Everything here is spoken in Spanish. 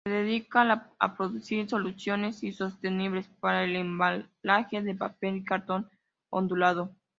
Se dedica a producir soluciones sostenibles para el embalaje de papel y cartón ondulado.